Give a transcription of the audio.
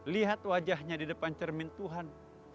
lihat wajahnya di depan cermin tuhan